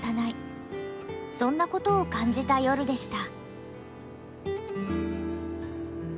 そんなことを感じた夜でした。